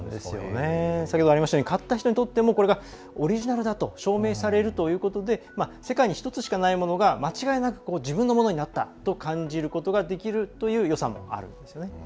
先ほどありましたように買った人にとってもこれがオリジナルだと証明されるということで世界に１つしかないものが間違いなく自分のものになったと感じることができるというよさもあるんですね。